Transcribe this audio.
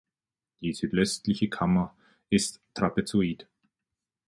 Die südwestliche Kammer ist trapezoid.